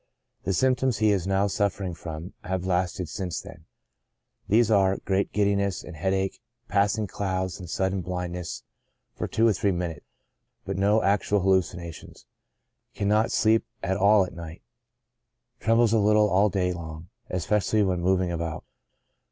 The symptoms he is now suffering from have lasted since then ; these are, great giddiness and headache, passing clouds, and sudden blindness for two or three minutes, but no ac tual hallucinations. Cannot sleep at all at night. Trembles a little all day long, especially when moving about.